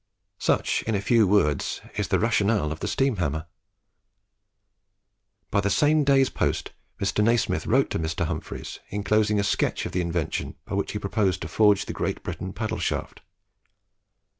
Such, in a few words, is the rationale of the steam hammer. By the same day's post, Mr. Nasmyth wrote to Mr. Humphries, inclosing a sketch of the invention by which he proposed to forge the "Great Britain" paddle shaft.